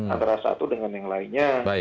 antara satu dengan yang lainnya